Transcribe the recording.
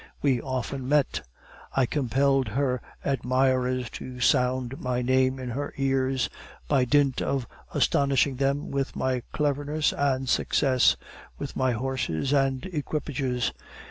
We often met. I compelled her admirers to sound my name in her ears, by dint of astonishing them with my cleverness and success, with my horses and equipages.